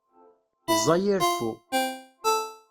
Ẓẓay i reffu!